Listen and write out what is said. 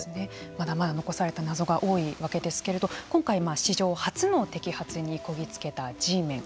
まだまだ残された謎が多いわけですけれども今回、史上初の摘発にこぎつけたＧメン